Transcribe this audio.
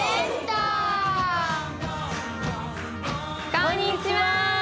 こんにちは！